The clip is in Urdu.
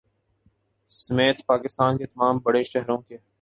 سمیت پاکستان کے تمام بڑے شہروں کے